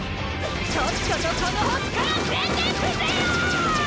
とっととこの星から出てくぜよ！